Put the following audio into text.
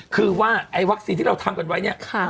คือว่าไอ้วัคซีนที่เราทำกันไว้เนี่ย